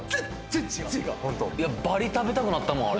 バリ食べたくなったもんあれ